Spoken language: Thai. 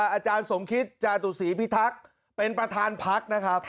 อาจารย์สมคิตจาตุษีพิทัก